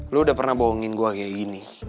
lo udah pernah bohongin gue kayak gini